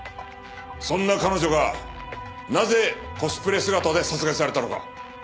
そんな彼女がなぜコスプレ姿で殺害されたのか。